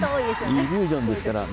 イリュージョンですからね。